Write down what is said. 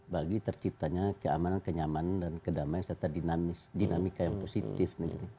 bagi terciptanya keamanan kenyamanan dan kedamaian serta dinamika yang positif